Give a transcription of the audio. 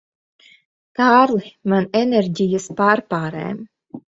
Kārli, man enerģijas pārpārēm.